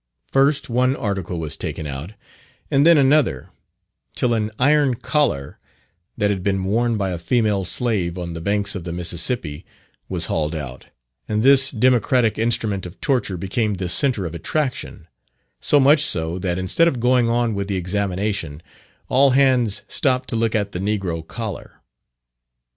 First one article was taken out, and then another, till an Iron Collar that had been worn by a female slave on the banks of the Mississippi, was hauled out, and this democratic instrument of torture became the centre of attraction; so much so, that instead of going on with the examination, all hands stopped to look at the "Negro Collar."